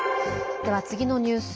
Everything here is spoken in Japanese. では、次のニュース。